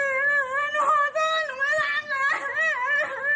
หนูขอโทษหนูไม่รักนะ